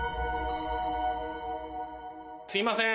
すいません。